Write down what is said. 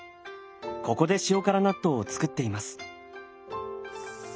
ここで塩辛納豆を造っています。